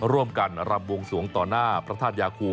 ร่วมกันรำวงสวงต่อหน้าพระธาตุยาคู